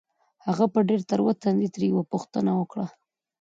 هغه په ډېر تروه تندي ترې يوه پوښتنه وکړه.